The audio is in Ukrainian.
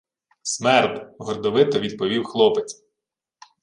— Смерд! — гордовито відповів хлопець.